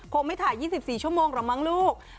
ไม่ถ่าย๒๔ชั่วโมงหรอกมั้งลูก